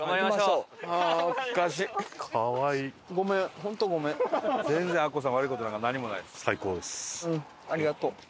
うんありがとう。